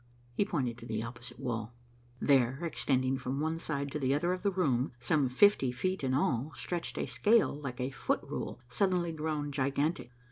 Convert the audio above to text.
He pointed to the opposite wall. There, extending from one side to the other of the room, some fifty feet in all, stretched a scale like a foot rule suddenly grown gigantic.